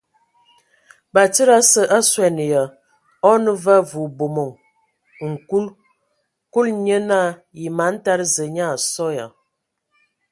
Batsidi ase a suan ya, a o nə vǝ o bomoŋ nkul. Kulu nye naa: Yǝ man tada Zǝə nyaa a sɔ ya ?.